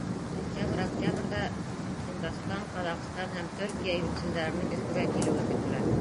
Сентябрь-октябрҙә Һиндостан, Ҡаҙағстан һәм Төркиә йүнселдәренең Өфөгә килеүе көтөлә.